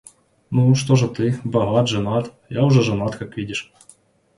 Ну, что же ты? Богат? Женат? Я уже женат, как видишь...